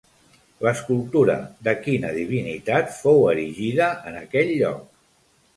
L'escultura de quina divinitat fou erigida en aquell lloc?